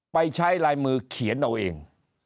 ไปใช้ลายมือเขียนเอาเอง